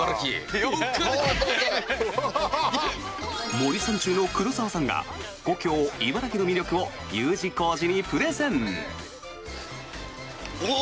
森三中の黒沢さんが故郷・茨城の魅力をＵ字工事にプレゼン。